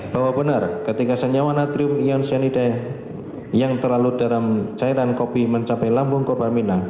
bahwa benar ketika senyawa natrium ion cyanida yang terlalu dalam cairan kopi mencapai lambung korban minang